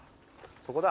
そこだ。